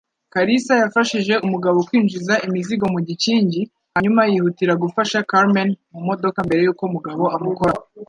Kalisa yafashije umugabo kwinjiza imizigo mu gikingi hanyuma yihutira gufasha Carmen mu modoka mbere yuko umugabo amukoraho.